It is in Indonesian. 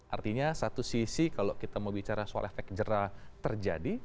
artinya satu sisi kalau kita mau bicara soal efek jerah terjadi